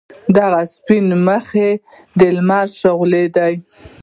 دغه سپین مخ یې د لمر شعله ده.